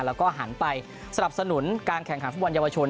และหันไปสรรพสนุนการแข่งขันภูมิวัณยาวชน